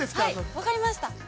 ◆分かりました。